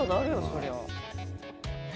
そりゃあ」